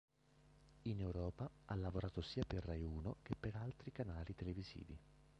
In Europa ha lavorato sia per Raiuno che per altri canali televisivi.